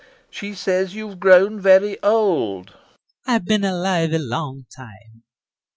She says you've grown very old! FIERS. I've been alive a long time.